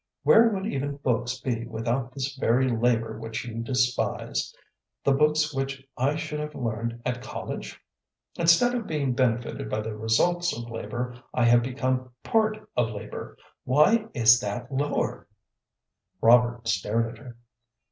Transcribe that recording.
Where would even books be without this very labor which you despise the books which I should have learned at college? Instead of being benefited by the results of labor, I have become part of labor. Why is that lower?" Robert stared at her.